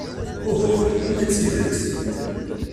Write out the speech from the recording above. Uhuh! Uma d tidet?